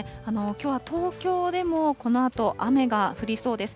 きょうは東京でもこのあと雨が降りそうです。